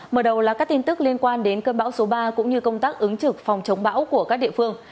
mở đầu là các tin tức liên quan đến cơn bão số ba cũng như công tác ứng trực phòng chống bão của các địa phương